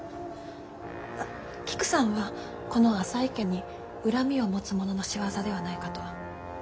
あっキクさんはこの浅井家に恨みを持つ者の仕業ではないかと。